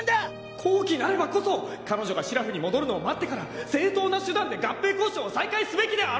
好機なればこそ彼女がしらふに戻るのを待ってから正当な手段で合併交渉を再開すべきであろう！